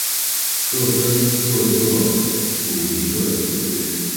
每村各设组一个社区。